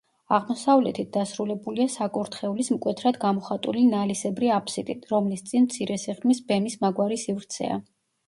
აღმოსავლეთით დასრულებულია საკურთხევლის მკვეთრად გამოხატული ნალისებრი აფსიდით, რომლის წინ მცირე სიღრმის ბემის მაგვარი სივრცეა.